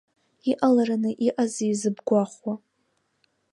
Иҟалараны иҟази зыбгәахәуа?